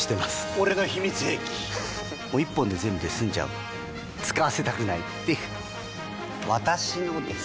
俺の秘密兵器１本で全部済んじゃう使わせたくないっていう私のです！